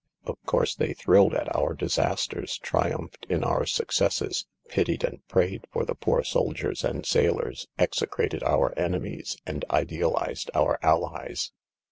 Of course they thrilled at our disasters, triumphed in our successes, pitied and prayed for the poor soldiers and sailors, execrated our enemies, and idealised our Allies.